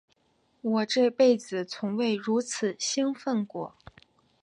我这辈子从未如此兴奋过。